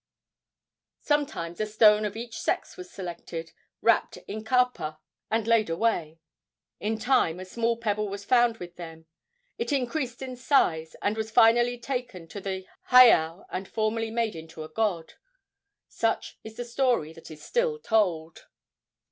Sometimes a stone of each sex was selected, wrapped in kapa, and laid away. In time a small pebble was found with them. It increased in size, and was finally taken to the heiau and formally made into a god. Such is the story that is still told.